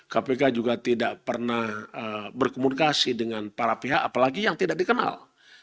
kpk juga tidak pernah berkomunikasi dengan para pihak apalagi yang tidak dikenal